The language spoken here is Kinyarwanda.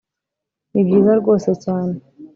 nibyiza rwose cyane